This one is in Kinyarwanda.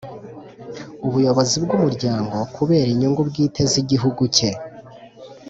ubuyobozi bw'umuryango kubera inyungu bwite z'igihugu cye.